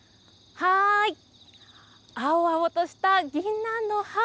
青々としたぎんなんの葉。